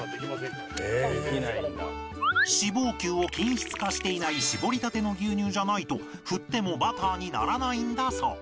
脂肪球を均質化していない搾りたての牛乳じゃないと振ってもバターにならないんだそう